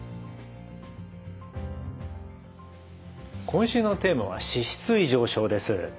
今週のテーマは「脂質異常症」です。